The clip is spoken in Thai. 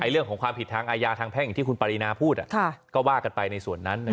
เรื่องของความผิดทางอาญาทางแพ่งอย่างที่คุณปรินาพูดก็ว่ากันไปในส่วนนั้น